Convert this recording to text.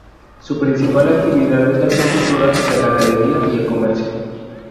Su principal actividad es la agricultura, la ganadería y el comercio.